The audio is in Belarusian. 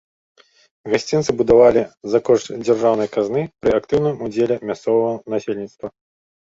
Гасцінцы будавалі за кошт дзяржаўнай казны пры актыўным удзеле мясцовага насельніцтва.